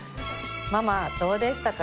ママどうでしたか？